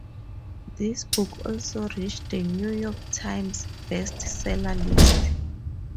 This book also reached "The New York Times" Best Seller list.